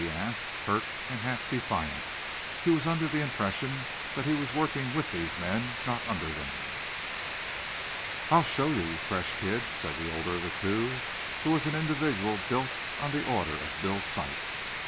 he asked, hurt and half defiant. He was under the impression that he was working with these men, not under them. "I'll show you, you fresh kid," said the older of the two, who was an individual built on the order of "Bill Sykes."